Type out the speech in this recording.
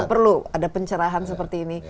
perlu ada pencerahan seperti ini